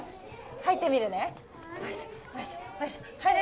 入ってみるね。